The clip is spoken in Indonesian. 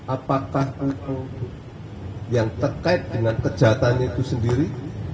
apakah yang terkait dengan kejahatan itu sendiri